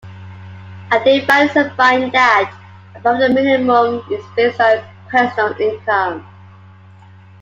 A day-fine is a fine that, above a minimum, is based on personal income.